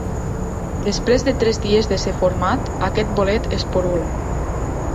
Després de tres dies de ser format, aquest bolet esporula.